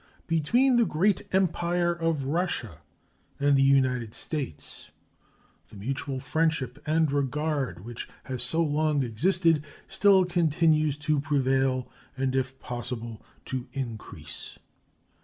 Between the great Empire of Russia and the United States the mutual friendship and regard which has so long existed still continues to prevail, and if possible to increase.